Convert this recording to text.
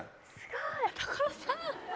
所さん。